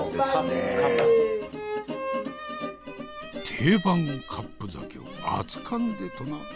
定番カップ酒を熱燗でとな？